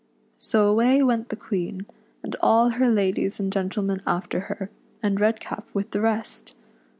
So away went the Queen, and all her ladies and gentlemen after her, and Redcap with the rest.